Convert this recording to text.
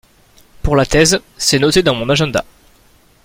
Pour la thèse, c’est noté dans mon agenda.